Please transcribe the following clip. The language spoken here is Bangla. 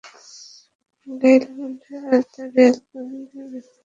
গাই লোম্বার্ডো আর তার রয়্যাল ক্যানাডিয়ান ব্যান্ডের উক্তি।